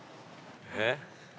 えっ？